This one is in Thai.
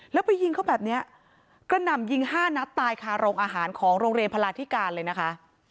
แล้วไปยิงเขาแบบนี้กระหน่ำยิง๕นัดตายคาโรงอาหารของโรงเรียนพลาธิการเลยนะคะ